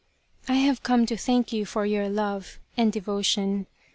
" I have come to thank you for your love and de votion.